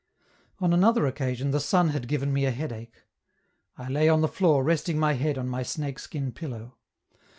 On another occasion the sun had given me a headache; I lay on the floor resting my head on my snake skin pillow.